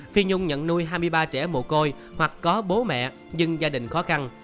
phi nhung nhận nuôi hai mươi ba trẻ mồ côi hoặc có bố mẹ nhưng gia đình khó khăn